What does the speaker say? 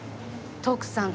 徳さん